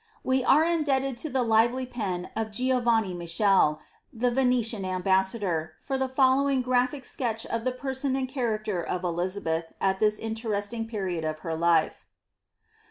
We are indebted to the lively pen of Giovanni Michele, the Venetian ambassador,' for the following graphic sketch of the person and charac ter of Elizabeth, at this interesting period of her life.